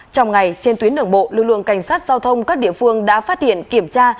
trong ngày trên tuyến đường bộ lực lượng cảnh sát giao thông các địa phương đã phát hiện kiểm tra